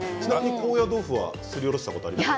高野豆腐をすりおろしたことはありますか？